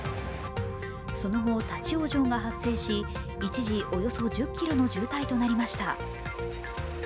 その後、立往生が発生し、一時、およそ１０ｋｍの渋滞となりました。